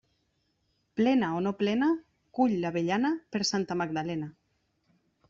Plena o no plena, cull l'avellana per Santa Magdalena.